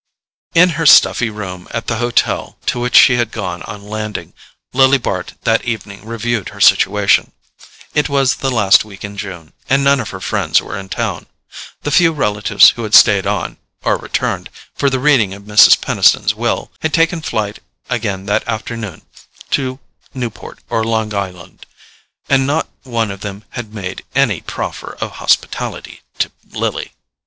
In her stuffy room at the hotel to which she had gone on landing, Lily Bart that evening reviewed her situation. It was the last week in June, and none of her friends were in town. The few relatives who had stayed on, or returned, for the reading of Mrs. Peniston's will, had taken flight again that afternoon to Newport or Long Island; and not one of them had made any proffer of hospitality to Lily.